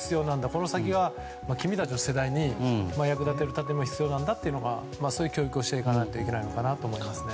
この先の、君たちの世代に役立てるために必要なんだという教育をしていかないといけないと思いますね。